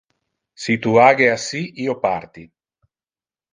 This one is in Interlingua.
Si tu age assi, io parti.